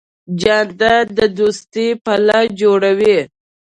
جانداد د دوستۍ پله جوړوي.